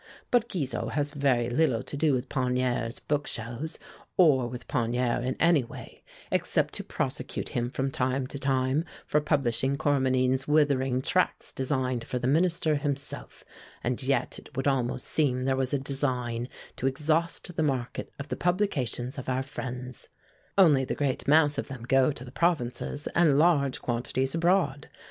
But Guizot has very little to do with Pagnerre's book shelves, or with Pagnerre in any way, except to prosecute him from time to time for publishing Cormenin's withering tracts designed for the Minister himself, and yet it would almost seem there was a design to exhaust the market of the publications of our friends; only the great mass of them go to the provinces and large quantities abroad.